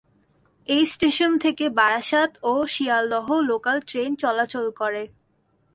এই স্টেশন থেকে বারাসাত ও শিয়ালদহ লোকাল ট্রেন চলাচল করে।